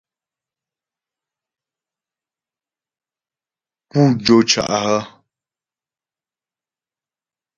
Pú jó cá' hə́ ?